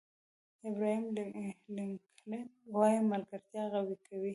ابراهیم لینکلن وایي ملګرتیا قوي کوي.